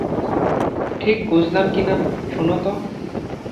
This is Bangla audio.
ঠিক বুঝলাম কি না, শোনো তো।